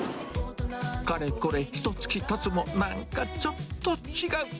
かれこれひとつきたつも、なんかちょっと違う。